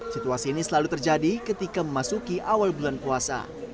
situasi ini selalu terjadi ketika memasuki awal bulan puasa